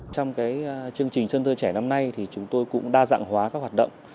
trong chương trình sân thơ trẻ năm nay chúng tôi cũng đa dạng hóa các hoạt động